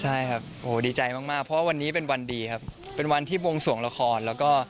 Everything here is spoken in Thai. ใช่ครับโอ้ดีใจมากเพราะวันนี้เป็นวันดีครับเป็นวันที่บวงส่วนละคร